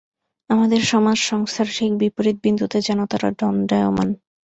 আমাদের সমাজ-সংস্থার ঠিক বিপরীত বিন্দুতে যেন তাঁরা দণ্ডায়মান।